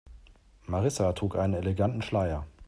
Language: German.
Marissa trug einen eleganten Schleier.